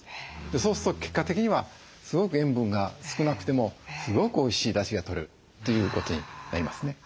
そうすると結果的にはすごく塩分が少なくてもすごくおいしいだしがとれるということになりますね。